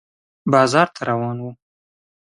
بازار ته روان و